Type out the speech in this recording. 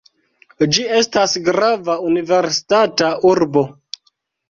Ĝi estas grava universitata urbo.